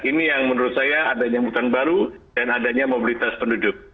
ini yang menurut saya adanya mutan baru dan adanya mobilitas penduduk